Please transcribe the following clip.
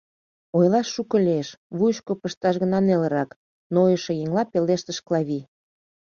— Ойлаш шуко лиеш, вуйышко пышташ гына нелырак, — нойышо еҥла пелештыш Клави.